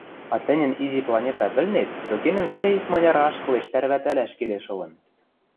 А тӹньӹн изи планета вӹлнет пӧкенӹм веле икманяр ашкылеш тӓрвӓтӓлӓш келеш ылын.